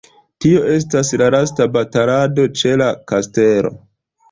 Tio estas la lasta batalado ĉe la kastelo.